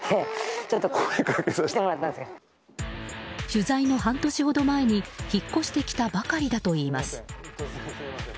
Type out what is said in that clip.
取材の半年ほど前に引っ越してきたばかりだといいます。